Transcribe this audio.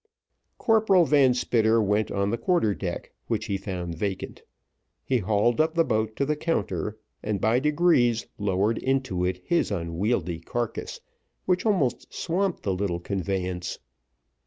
Corporal Van Spitter went on the quarter deck, which he found vacant; he hauled up the boat to the counter, and by degrees lowered into it his unwieldy carcass, which almost swamped the little conveyance.